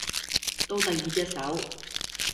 到第二隻手